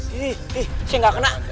ih ih saya nggak kena